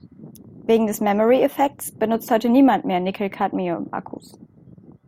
Wegen des Memory-Effekts benutzt heute niemand mehr Nickel-Cadmium-Akkus.